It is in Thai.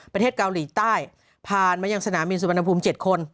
ประเทศเกาหลีใต้ผ่านมายังสนามบินสุวรรณภูมิ๗คน